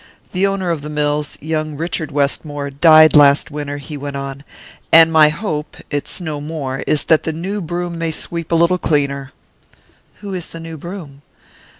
"The owner of the mills young Richard Westmore died last winter," he went on, "and my hope it's no more is that the new broom may sweep a little cleaner." "Who is the new broom?"